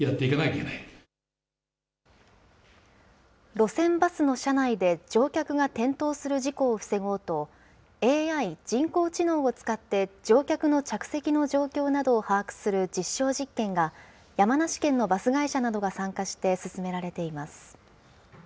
路線バスの車内で乗客が転倒する事故を防ごうと、ＡＩ・人工知能を使って乗客の着席の状況などを把握する実証実験が、山梨県のバス会社などが参加して進められています。